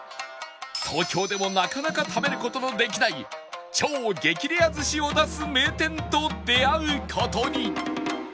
東京でもなかなか食べる事のできない超激レア寿司を出す名店と出会う事に